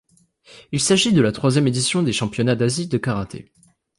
Il s'agit de la troisième édition des championnats d'Asie de karaté.